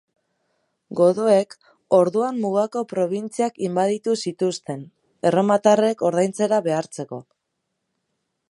Godoek orduan mugako probintziak inbaditu zituzten, erromatarrek ordaintzera behartzeko.